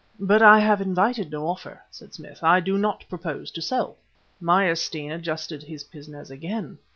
"But I have invited no offer," said Smith. "I do not propose to sell." Meyerstein adjusted his pince nez again.